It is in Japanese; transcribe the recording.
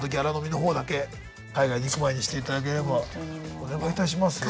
お願いいたしますよ。